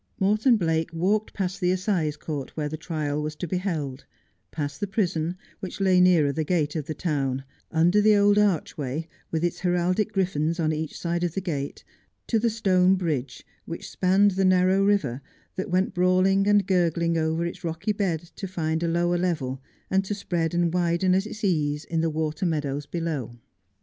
Morton Blake walked past the assize court where the trial was to be held, past the prison, which lay nearer the gate of the town, under the old archway, with its heraldic griffins on each side of the gate, to the stone bridge which spanned the narrow river that went brawling and gurgling over its rocky bed to find a lower level and to spread and widen at its ease in the water meadows below.